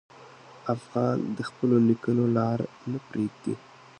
افغان د خپلو نیکونو لار نه پرېږدي.